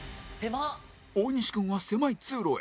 大西君は狭い通路へ